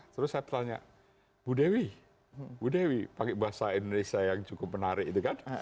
terus saya tanya bu dewi bu dewi pakai bahasa indonesia yang cukup menarik itu kan